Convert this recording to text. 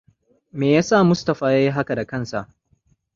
Meyasa Mustapha ya yi haka da kansa?